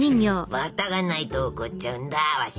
バターがないと怒っちゃうんだワシは。